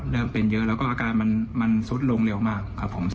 เริ่มเป็นเยอะแล้วก็อาการมันซุดลงเร็วมากครับผม